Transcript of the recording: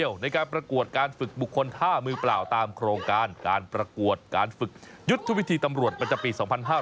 ยุดทุกวิธีตำรวจมันจะปี๒๕๖๐